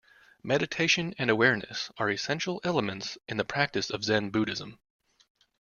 Meditation and awareness are essential elements in the practice of Zen Buddhism